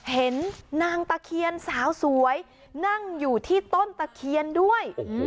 เห็นนางตะเคียนสาวสวยนั่งอยู่ที่ต้นตะเคียนด้วย